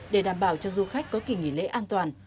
để đảm bảo cho du khách có kỳ nghỉ lễ an toàn